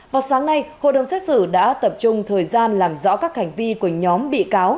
vào sáng nay hội đồng xét xử đã tập trung thời gian làm rõ các hành vi của nhóm bị cáo